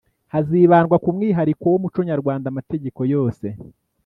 hazibandwa ku mwihariko w umuco nyarwanda amategeko yose